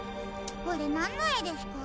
これなんのえですか？